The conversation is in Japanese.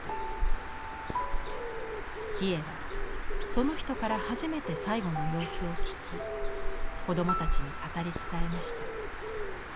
キヱはその人から初めて最期の様子を聞き子供たちに語り伝えました。